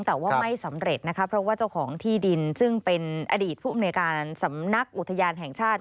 แต่ว่าไม่สำเร็จนะคะเพราะว่าเจ้าของที่ดินซึ่งเป็นอดีตผู้อำนวยการสำนักอุทยานแห่งชาติ